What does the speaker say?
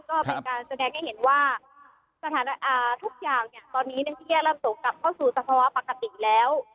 การแสดงให้เห็นว่าทุกอย่างตอนนี้พี่แกล้งเริ่มตกกลับเข้าสู่จังหวะปกติแล้ว